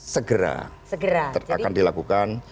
segera akan dilakukan